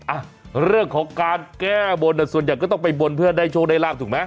อ่ะเรื่องของการแก้บนอ่ะส่วนใหญ่ก็ต้องไปบนเพื่อได้โชคได้ลาบถูกไหม